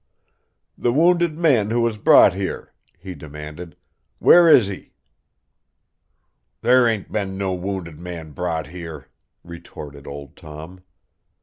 "The wounded man who was brought here," he demanded, "where is he?" "There 'ain't been no wounded man brought here," retorted Old Tom.